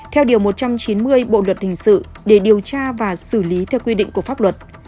theo điều một trăm chín mươi bộ luật hình sự để điều tra và xử lý theo quy định của pháp luật